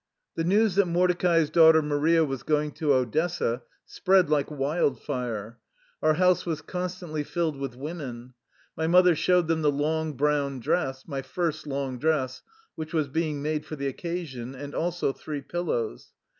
The news that Mordecai's daughter Maria was going to Odessa spread like wild fire; our house was constantly filled with women. My mother showed them the long brown dress — my first long dress — which was being made for the oc casion, and also three pillows.